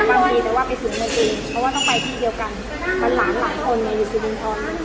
มันหลานหลายคนในซิรินทร